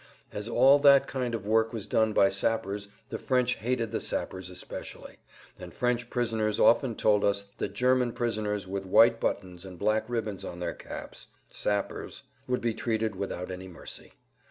As all that kind of work was done by sappers the French hated the sappers especially, and French prisoners often told us that German prisoners with white buttons and black ribbons on their caps (sappers) would be treated without any mercy.